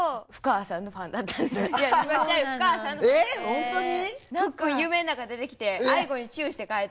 え本当に？